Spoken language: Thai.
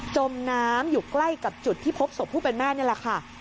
จมน้ำอยู่ใกล้กับจุดที่พบศพผู้เป็นแม่นี่แหละค่ะ